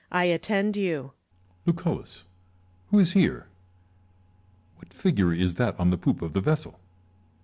Lucullus. I attend you. Ccesar. Lucullus, who is here ? What figure is that on the poop of the vessel